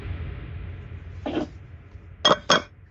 名字来自英国苏格兰城市快富。